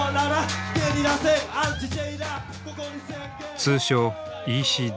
通称ＥＣＤ。